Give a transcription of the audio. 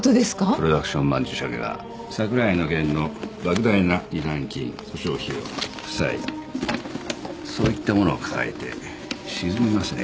プロダクション曼珠沙華は櫻井の件の莫大な示談金訴訟費用負債そういったものを抱えて沈みますね。